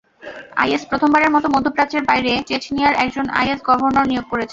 Is প্রথমবারের মতো মধ্যপ্রাচ্যের বাইরে চেচনিয়ায় একজন আইএস গভর্নর নিয়োগ করেছে।